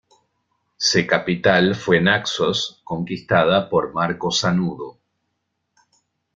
Se capital fue Naxos, conquistada por Marco Sanudo.